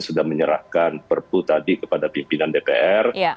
sudah menyerahkan perpu tadi kepada pimpinan dpr